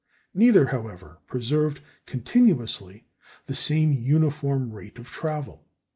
Neither, however, preserved continuously the same uniform rate of travel.